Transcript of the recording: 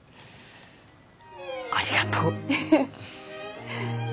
ありがとう。